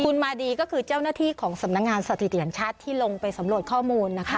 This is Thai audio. คุณมาดีก็คือเจ้าหน้าที่ของสำนักงานสถิติแห่งชาติที่ลงไปสำรวจข้อมูลนะคะ